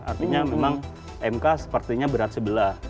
artinya memang mk sepertinya berat sebelah